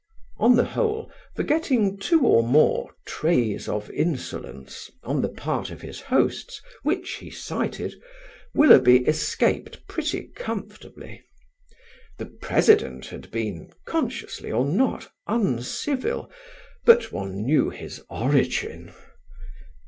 On the whole, forgetting two or more "traits of insolence" on the part of his hosts, which he cited, Willoughby escaped pretty comfortably. The President had been, consciously or not, uncivil, but one knew his origin!